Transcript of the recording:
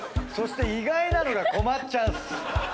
そして意外なのがこまっちゃんっす。